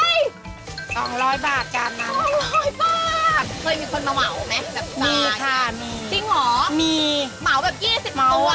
เคยมีคนมาเหมาะไหมแบบจากนี้จริงหรอเหมาะแบบ๒๐ตัวสามสิบตัว